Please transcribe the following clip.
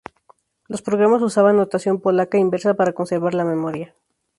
Los programas usaban notación polaca inversa para conservar la memoria.